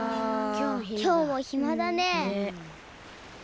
きょうもひまだね。